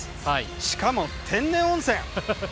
しかも天然温泉。